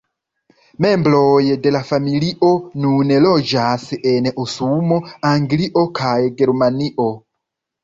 Membroj de la familio nun loĝas en Usono, Anglio kaj Germanio.